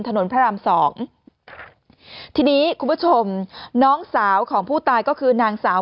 พระรามสองทีนี้คุณผู้ชมน้องสาวของผู้ตายก็คือนางสาว